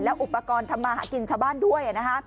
อุปกรณ์ทำมาหากินชาวบ้านด้วย